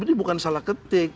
ini bukan salah ketik